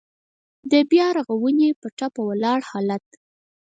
د بيا رغونې په ټپه ولاړ حالات.